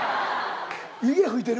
湯気ふいてる？